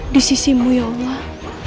di sisimu ya allah